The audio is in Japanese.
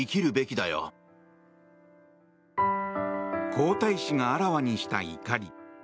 皇太子があらわにした怒り。